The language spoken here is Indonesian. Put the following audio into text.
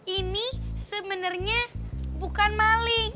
ini sebenernya bukan maling